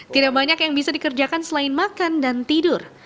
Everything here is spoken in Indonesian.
tidak banyak yang bisa dikerjakan selain makan dan tidur